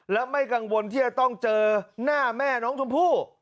และไม่กังวลที่จะต้องเจอหน้าแม่น้องชมพู่